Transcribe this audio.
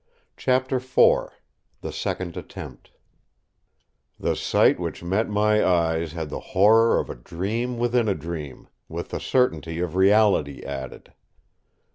Chapter IV The Second Attempt The sight which met my eyes had the horror of a dream within a dream, with the certainty of reality added.